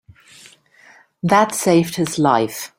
That saved his life.